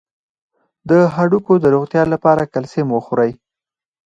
د هډوکو د روغتیا لپاره کلسیم وخورئ